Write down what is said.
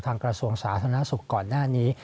ทางกระทรวงศาสนสุขก่อนหน้านี้